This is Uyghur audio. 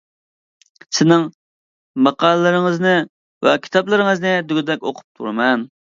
سىزنىڭ ماقالىلىرىڭىزنى ۋە كىتابلىرىڭىزنى دېگۈدەك ئوقۇپ تۇرىمەن.